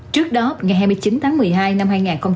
trước đó ngày hai mươi chín tháng một mươi hai năm hai nghìn hai mươi